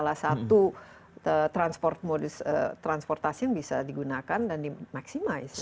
dan sekarang kan bisa menjadi salah satu transportasi yang bisa digunakan dan dimaksimalisasi